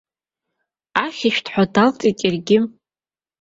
Ахьшәҭ ҳәа даалҵит иаргьы.